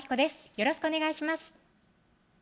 よろしくお願いします